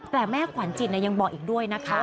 แต่แม่ขวัญจิตยังบอกอีกด้วยนะคะ